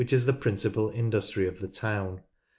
s the principal industry of the town.